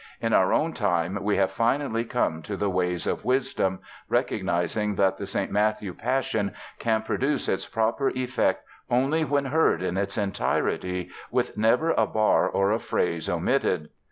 In our own time we have finally come to the ways of wisdom, recognizing that the St. Matthew Passion can produce its proper effect only when heard in its entirety, with never a bar or a phrase omitted.